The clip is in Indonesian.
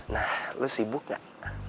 nah lo sibuk gak